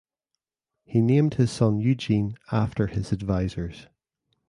He named his son Eugene after his advisors.